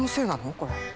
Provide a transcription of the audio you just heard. これ。